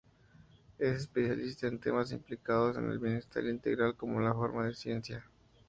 Es especialista en temas implicados en el Bienestar Integral como forma de Ciencia.